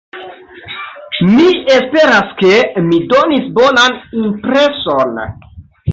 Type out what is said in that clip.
Mi esperas, ke mi donis bonan impreson.